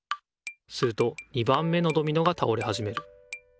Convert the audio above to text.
すると２番目のドミノが倒れはじめる。